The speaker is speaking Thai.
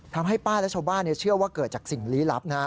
ทำให้ป้าและชาวบ้านเชื่อว่าเกิดจากสิ่งลี้ลับนะฮะ